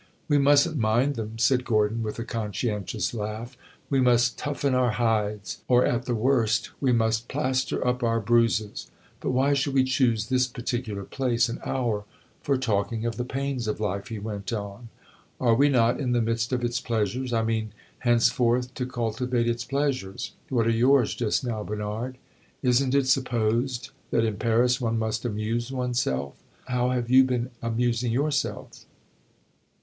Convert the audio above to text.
"We must n't mind them," said Gordon, with a conscientious laugh. "We must toughen our hides; or, at the worst, we must plaster up our bruises. But why should we choose this particular place and hour for talking of the pains of life?" he went on. "Are we not in the midst of its pleasures? I mean, henceforth, to cultivate its pleasures. What are yours, just now, Bernard? Is n't it supposed that in Paris one must amuse one's self? How have you been amusing yourself?"